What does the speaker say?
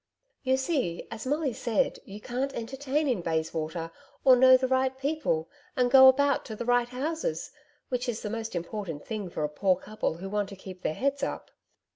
You see, as Molly said, you can't entertain in Bayswater, or know the right people, and go about to the right houses, which is the most important thing for a poor couple who want to keep their heads up.